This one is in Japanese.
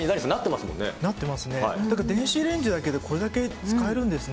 なんか電子レンジだけでこれだけ使えるんですね。